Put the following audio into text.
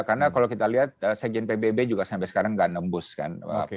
karena kalau kita lihat sejen pbb juga sampai sekarang enggak nembus kan